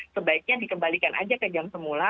sebaiknya dikembalikan aja ke jam semula